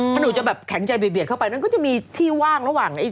ถ้าหนูจะแบบแข็งใจเบียดเข้าไปนั่นก็จะมีที่ว่างระหว่างไอ้